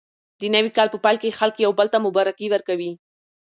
د نوي کال په پیل کې خلک یو بل ته مبارکي ورکوي.